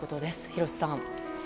廣瀬さん。